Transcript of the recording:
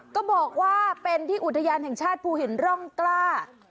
ก็บอกว่าเป็นที่อุทยานแห่งชาติภูหินร่องกล้า